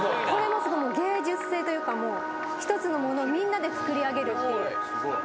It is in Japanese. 芸術性というかもう１つのものをみんなでつくり上げるっていう。